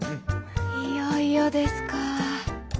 いよいよですかぁ。